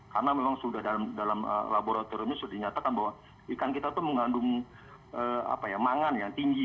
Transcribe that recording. karena memang sudah dalam laboratoriumnya sudah dinyatakan bahwa ikan kita itu mengandung mangan yang tinggi